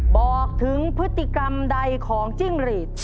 บอกถึงพฤติกรรมใดของจิ้งหรีด